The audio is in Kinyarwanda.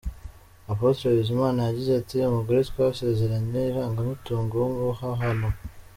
Apôtre Bizimana yagize ati “Umugore twasezeranye ivangamutungo w’umuhahano.